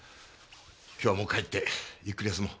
今日はもう帰ってゆっくり休もう。